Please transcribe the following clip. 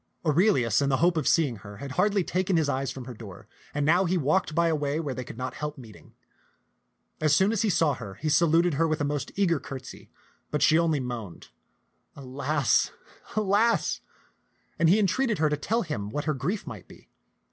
Aurelius in the hope of see ing her had hardly taken his eyes from her door, and now he walked by a way where they could not help meeting. As soon as he saw her, he saluted her with a most eager curtsy ; but she only moaned, "Alas, alas !" and he entreated her to tell him what her grief might be.